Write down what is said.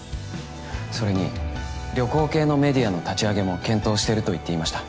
それに旅行系のメディアの立ち上げも検討してると言っていました。